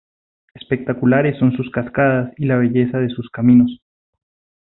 Espectaculares son sus cascadas y la belleza de sus caminos.